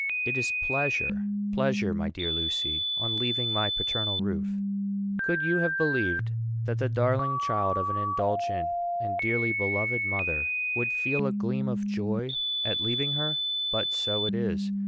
It is pleasure, pleasure, my dear Lucy, on leaving my paternal roof. Could you have believed that the darling child of an indulgent and dearly beloved mother would feel a gleam of joy at leaving her? But so it is.